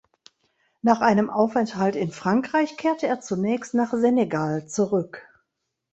Nach einem Aufenthalt in Frankreich kehrte er zunächst nach Senegal zurück.